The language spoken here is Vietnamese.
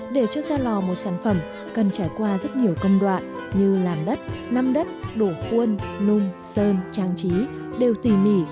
để cho ra lò một sản phẩm cần trải qua rất nhiều công đoạn như làm đất năm đất đổ khuôn nung sơn trang trí đều tỉ mỉ